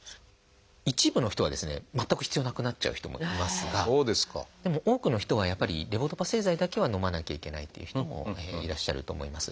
一部の人はですね全く必要なくなっちゃう人もいますがでも多くの人はやっぱりレボドパ製剤だけはのまなきゃいけないっていう人もいらっしゃると思います。